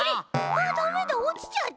あっダメだおちちゃった。